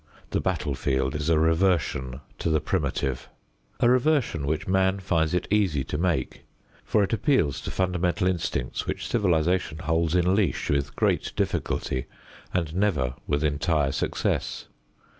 The battlefield is a reversion to the primitive; a reversion which man finds it easy to make, for it appeals to fundamental instincts which civilization holds in leash with great difficulty and never with entire success.